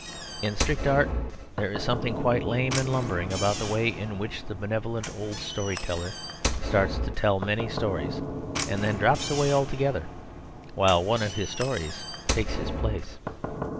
In strict art there is something quite lame and lumbering about the way in which the benevolent old story teller starts to tell many stories and then drops away altogether, while one of his stories takes his place.